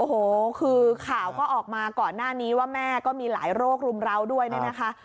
โอ้โหคือข่าวก็ออกมาก่อนหน้านี้ว่าแม่ก็มีหลายโรครุมราวด้วยเนี่ยนะคะ